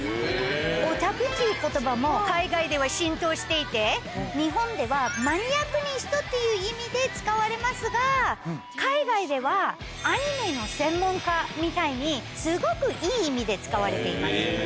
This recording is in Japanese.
オタクということばも海外では浸透していて、日本ではマニアックな人っていう意味で使われますが、海外ではアニメの専門家みたいに、すごくいい意味で使われています。